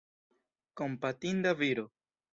Kompatinda viro.